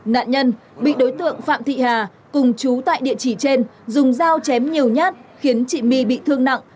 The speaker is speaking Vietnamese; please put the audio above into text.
nạn nhân bị đối tượng phạm thị hà cùng chú tại địa chỉ trên dùng dao chém nhiều nhát khiến chị my bị thương nặng